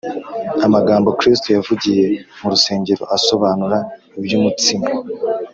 amagambo kristo yavugiye mu rusengero asobanura iby’umutsima